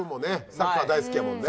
サッカー大好きやもんね。